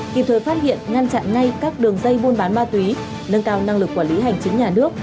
kịp thời phát hiện ngăn chặn ngay các đường dây buôn bán ma túy nâng cao năng lực quản lý hành chính nhà nước